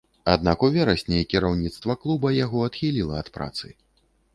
Аднак у верасні кіраўніцтва клуба яго адхіліла ад працы.